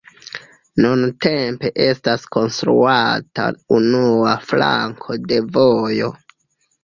Nuntempe estas konstruata unua flanko de vojo.